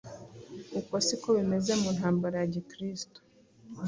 Uko si ko bimeze mu ntambara ya gikirsto.